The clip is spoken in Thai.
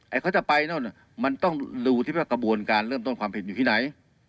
เขาจะไปโน่นมันต้องดูที่ว่ากระบวนการเริ่มต้นความผิดอยู่ที่ไหน